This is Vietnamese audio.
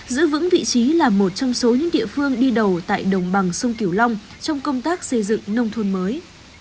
giữ vững vị trí là một trong số những địa phương đi đầu tại đồng bằng sông kiểu long trong công tác xây dựng nông thôn mới